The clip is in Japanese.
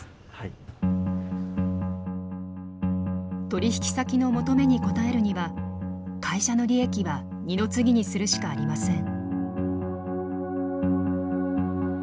取引先の求めに応えるには会社の利益は二の次にするしかありません。